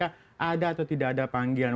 ada atau tidak ada panggilan